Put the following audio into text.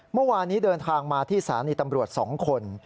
เมื่อวานนี้เดินทางมาที่สถานีตำรวจ๒คน